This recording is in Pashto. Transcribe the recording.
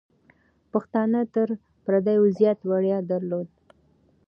پښتانه تر پردیو زیات ویاړ درلود.